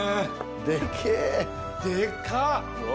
でけぇ！でかっ！